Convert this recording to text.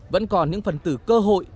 vẫn còn những phần tử cơ hội